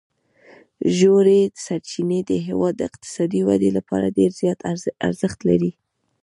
ژورې سرچینې د هېواد د اقتصادي ودې لپاره ډېر زیات ارزښت لري.